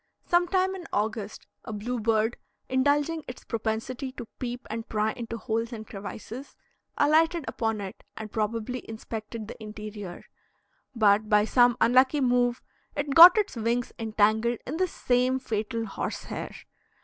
Some time in August a bluebird, indulging its propensity to peep and pry into holes and crevices, alighted upon it and probably inspected the interior; but by some unlucky move it got its wings entangled in this same fatal horse hair.